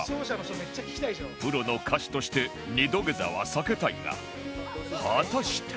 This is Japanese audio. プロの歌手として２土下座は避けたいが果たして